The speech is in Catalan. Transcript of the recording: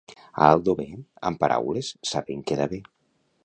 A Aldover, amb paraules saben quedar bé.